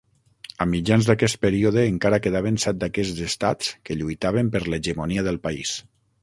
A mitjans d'aquest període encara quedaven set d'aquests estats que lluitaven per l'hegemonia del país.